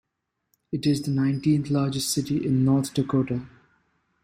It is the nineteenth-largest city in North Dakota.